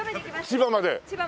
千葉まで。